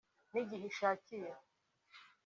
n’igihe ishakiye